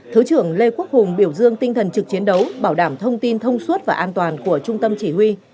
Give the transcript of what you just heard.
thứ trưởng lê quốc hùng biểu dương tinh thần trực chiến đấu bảo đảm thông tin thông suốt và an toàn của trung tâm chỉ huy